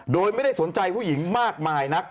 โดยไม่ได้สนใจผู้หญิงมากมายนัก